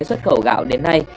xuất khẩu gạo đến nay